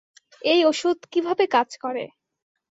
এই অষুধ কীভাবে কাজ করে।